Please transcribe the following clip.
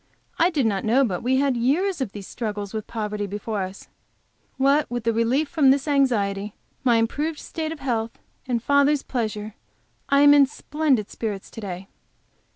I did not know but we had years of these struggles with poverty before us. What with the relief from this anxiety, my improved state of health, and father's pleasure, I am in splendid spirits to day.